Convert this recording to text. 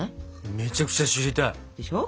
めちゃくちゃ知りたい。でしょ？